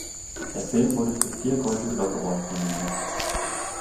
Der Film wurde für vier Golden Globe Awards nominiert.